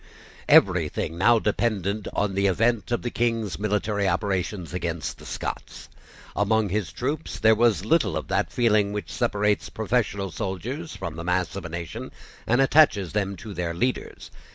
Everything now depended on the event of the King's military operations against the Scots. Among his troops there was little of that feeling which separates professional soldiers from the mass of a nation, and attaches them to their leaders.